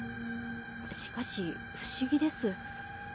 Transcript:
しかし不思議です。